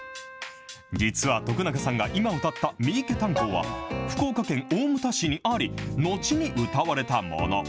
実は徳永さんが今歌った三池炭坑は、福岡県大牟田市にあり、後に歌われたもの。